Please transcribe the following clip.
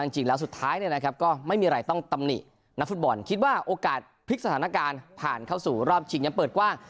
จริงแล้วสุดท้ายก็ไม่มีอะไรต้องตำหนินักฟุตบอลคิดว่าโอกาสพลิกสถานการณ์ผ่านเข้าสู่รอบชิงยังเปิดกว้าง